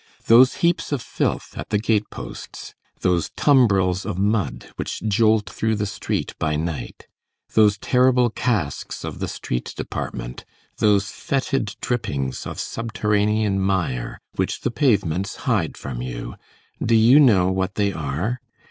Those heaps of filth at the gate posts, those tumbrils of mud which jolt through the street by night, those terrible casks of the street department, those fetid drippings of subterranean mire, which the pavements hide from you,—do you know what they are?